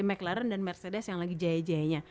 mclaren dan mercedes yang lagi jaya jayanya